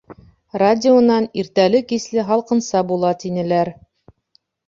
Радионан, иртәле-кисле һалҡынса була, тинеләр.